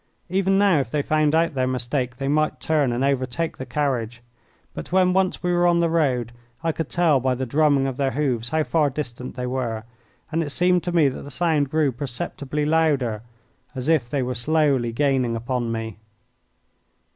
Even now if they found out their mistake they might turn and overtake the carriage. But when once we were on the road I could tell by the drumming of their hoofs how far distant they were, and it seemed to me that the sound grew perceptibly louder, as if they were slowly gaining upon me.